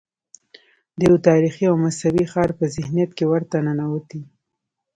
د یو تاریخي او مذهبي ښار په ذهنیت کې ورته ننوتي.